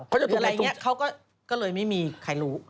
อะไรอย่างนี้เขาก็เลยไม่มีใครรู้